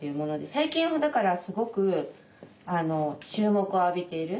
最近だからすごく注目を浴びている。